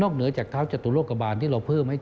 เหนือจากเท้าจตุโลกบาลที่เราเพิ่มให้